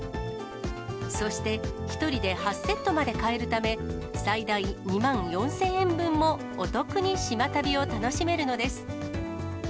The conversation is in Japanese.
そして１人で８セットまで買えるため、最大２万４０００円分もお得に島旅を楽しめるのです。